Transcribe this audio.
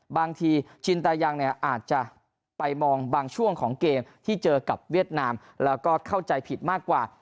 บางทีชินตายังเนี่ยอาจจะไปมองบางช่วงของเกมที่เจอกับเวียดนามแล้วก็เข้าใจผิดมากกว่า